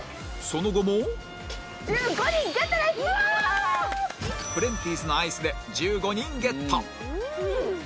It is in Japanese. その後もプレンティーズのアイスで１５人ゲット！